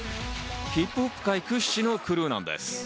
ヒップホップ界屈指のクルーなんです。